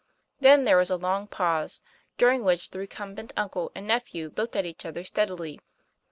Then there was a long pause, during which the recumbent uncle and nephew looked at each other steadily.